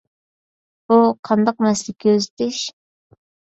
بۇ قانداق مەسىلە كۆزىتىش؟